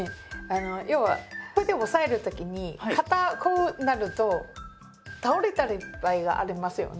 要はこうやって押さえる時に片方になると倒れたり場合がありますよね。